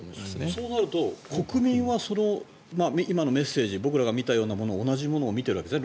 そうなると国民は今のメッセージ僕らが見たようなもの同じものを見ているわけですね。